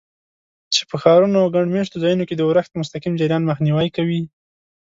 چې په ښارونو او ګڼ مېشتو ځایونو کې د اورښت مستقیم جریان مخنیوی کوي.